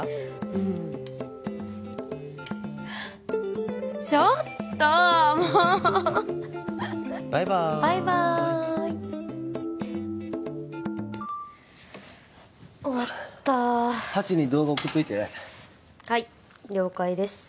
うんちょっともうバイバーイバイバーイ終わったハチに動画送っといてはい了解です